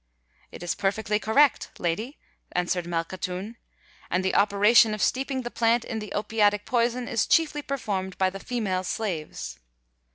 "It is perfectly correct, lady," answered Malkhatoun; "and the operation of steeping the plant in the opiatic poison is chiefly performed by the female slaves."